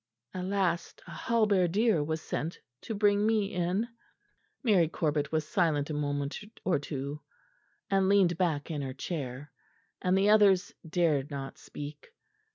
At last a halberdier was sent to bring me in." Mary Corbet was silent a moment or two and leaned back in her chair; and the others dared not speak.